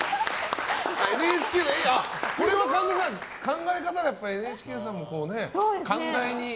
これは考え方がＮＨＫさんもね、寛大に。